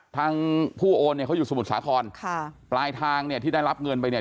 ทางผู้โอนเนี่ยเขาอยู่สมุทรสาครค่ะปลายทางเนี่ยที่ได้รับเงินไปเนี่ย